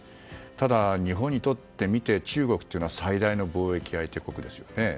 ただ、日本にとってみて中国というのは最大の貿易相手国ですよね。